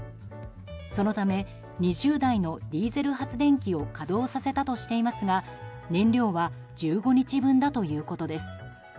そのため２０台のディーゼル発電機を稼働させたとしていますが燃料は１５日分だということです。